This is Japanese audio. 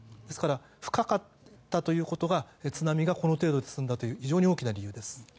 ですから、深かったということが津波がこの程度で済んだという非常に大きな理由です。